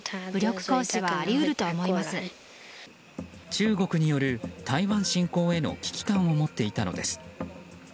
中国による台湾侵攻への危機感を持っていたのです。